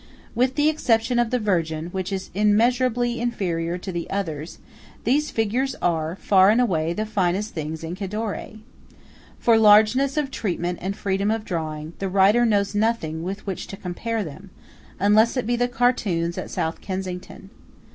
With the exception of the Virgin, which is immeasurably inferior to the others, these figures are, far and away, the finest things in Cadore. For largeness of treatment and freedom of drawing, the writer knows nothing with which to compare them, unless it be the Cartoons at South Kensington.